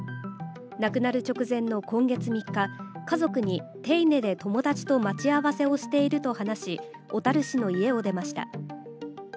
亡くなる直前の今月３日、家族に手稲で友達と待ち合わせをしていると話し、小樽市の家を出ました。